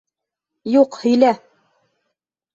Юҡ, һөйлә!